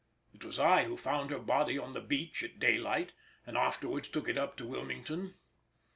It was I who found her body on the beach at daylight, and afterwards took it up to Wilmington.